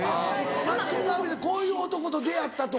マッチングアプリでこういう男と出会ったとか。